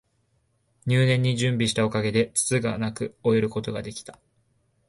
入念に準備したおかげで、つつがなく終えることが出来た